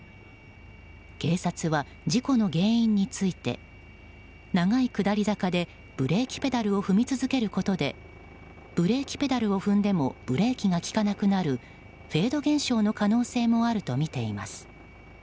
警察は事故の原因について長い下り坂で、ブレーキペダルを踏み続けることでブレーキペダルを踏んでもブレーキが利かなくなるフェード現象の可能性もあるとみています。